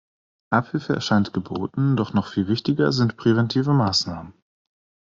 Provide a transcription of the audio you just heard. Abhilfe erscheint geboten, doch noch viel wichtiger sind präventive Maßnahmen.